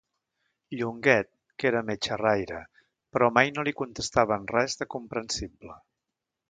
Llonguet, que era més xerraire, però mai no li contestaven res de comprensible.